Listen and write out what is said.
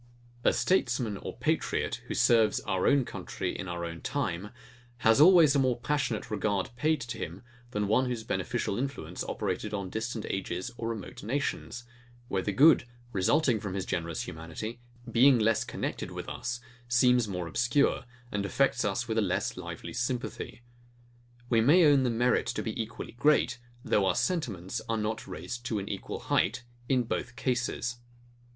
A statesman or patriot, who serves our own country in our own time, has always a more passionate regard paid to him, than one whose beneficial influence operated on distant ages or remote nations; where the good, resulting from his generous humanity, being less connected with us, seems more obscure, and affects us with a less lively sympathy. We may own the merit to be equally great, though our sentiments are not raised to an equal height, in both cases.